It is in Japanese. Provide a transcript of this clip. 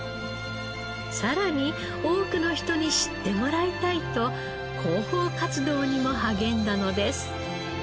さらに多くの人に知ってもらいたいと広報活動にも励んだのです。